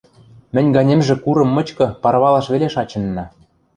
Мӹнь ганемжӹ курым мычкы парвалаш веле шачынна.